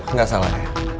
nggak salah ya